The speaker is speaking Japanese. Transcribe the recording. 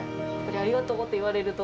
ありがとうって言われると。